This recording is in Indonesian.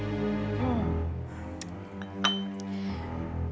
ya ampun ampun